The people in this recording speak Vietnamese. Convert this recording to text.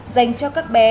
dành cho các bé